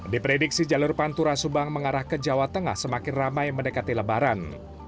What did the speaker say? diprediksi jalur pantura subang mengarah ke jawa tengah semakin ramai mendekati lebaran